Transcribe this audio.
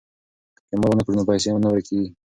که قمار ونه کړو نو پیسې نه ورکيږي.